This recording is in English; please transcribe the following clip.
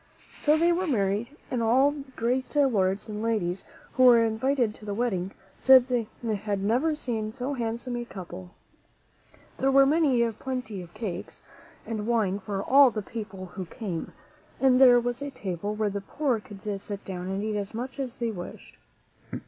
So they were married, and all the great lords and ladies who were invited to the wedding said they had never seen so handsome a couple. There were plenty of cakes and wine for all the people who came, and there was a table where the poor could sit down and eat as much as they wished.